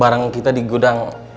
barang kita digoda